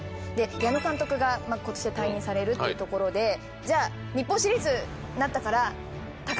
矢野監督が今年で退任されるっていうところでじゃあ日本シリーズになったから。